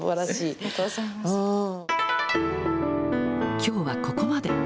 きょうはここまで。